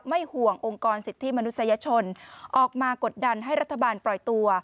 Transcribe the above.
ห่วงองค์กรสิทธิมนุษยชนออกมากดดันให้รัฐบาลปล่อยตัว